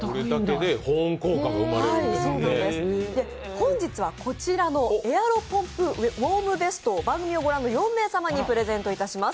本日はこちらのエアロポンプウォームベストを番組を御覧の４名様にプレゼントいたします。